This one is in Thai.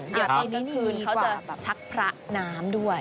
เดี๋ยวตอนกลางคืนเขาจะชักพระน้ำด้วย